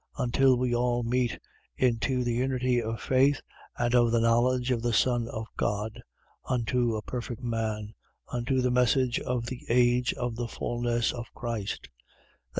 Until we all meet into the unity of faith and of the knowledge of the Son of God, unto a perfect man, unto the measure of the age of the fulness of Christ: 4:14.